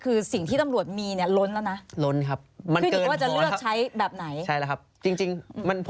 คือสิ่งที่ตำรวจมีเนี่ยล้นแล้วนะ